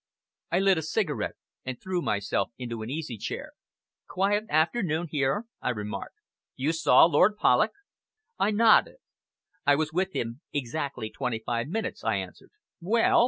I lit a cigarette and threw myself into an easy chair. "Quiet afternoon here?" I remarked. "You saw Lord Polloch?" I nodded. "I was with him exactly twenty five minutes," I answered. "Well?"